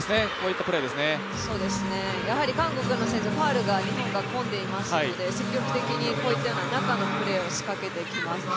やはり韓国の選手はファウルが日本がこんでいますので積極的にこういったような中のプレーを仕掛けてきます。